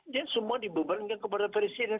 dia semua dibebankan kepada presiden